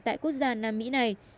tại quốc gia nam mỹ này